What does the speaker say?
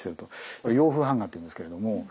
これ洋風版画っていうんですけれども。